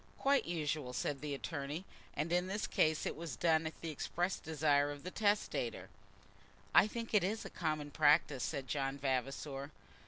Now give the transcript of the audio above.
"Quite usual," said the attorney; "and in this case it was done at the express desire of the testator." "I think it is the common practice," said John Vavasor.